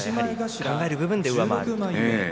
考える部分で上回ると。